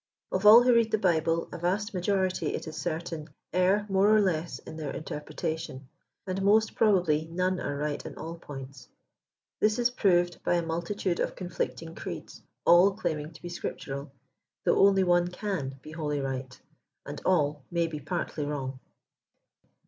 Of all who read the Bible, a vast majority, it is certain, err more or less in their interpretation ; and most probably none are right jln all points. This is proved by the multitude of conflicting creeds, all claiming to be scriptural, though only one can be wholly right, and all may be partly wrong.